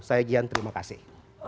saya gian terima kasih